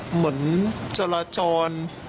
เหมือนจราจร